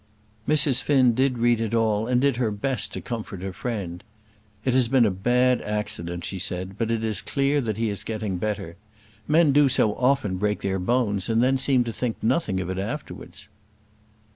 Mrs. Finn did read it all, and did her best to comfort her friend. "It has been a bad accident," she said, "but it is clear that he is getting better. Men do so often break their bones, and then seem to think nothing of it afterwards."